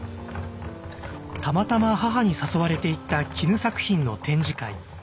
たまたま母に誘われて行った絹作品の展示会。